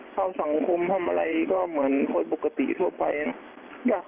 เข้าสังคมทำอะไรก็เหมือนคนปกติทั่วไปนะ